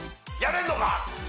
やれんのか！？